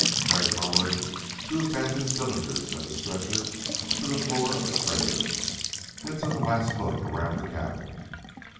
Crag lowered two of Bandit's cylinders and the stretcher to the floor of the crater, then took a last look around the cabin.